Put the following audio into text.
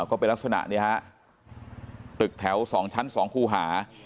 ก็เป็นลักษณะเนี่ยฮะตึกแถว๒ชั้น๒คู่หา